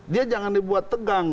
dia jangan dibuat tegang